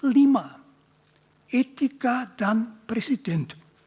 lima etika dan presiden